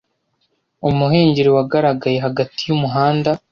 Umuhengeri wagaragaye hagati yumuhanda.